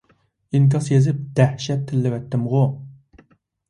ئىنكاس يېزىپ دەھشەت تىللىۋەتتىمغۇ!